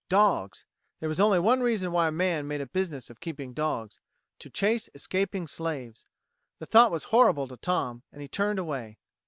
Dogs! There was only one reason why a man made a business of keeping dogs to chase escaping slaves. The thought was horrible to Tom, and he turned away.